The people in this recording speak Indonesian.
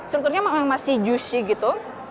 strukturnya memang masih juicy gitu